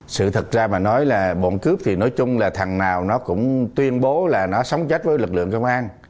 sự thật ra mà nói là bọn cướp thì nói chung là thằng nào nó cũng tuyên bố là nó sống trách với lực lượng công an